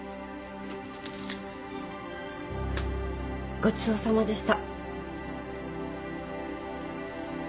ごちそうさまでした。